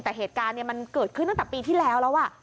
แต่เหตุการณ์มันเกิดขึ้นตั้งแต่ปีที่แล้วแล้ว